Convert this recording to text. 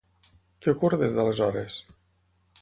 Què ocorre des d'aleshores?